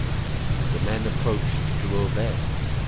The men approached to obey.